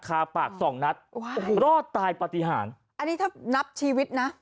คาปากสองนัดโอ้โหรอดตายปฏิหารอันนี้ถ้านับชีวิตนะ